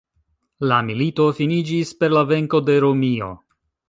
La milito finiĝis per la venko de Romio.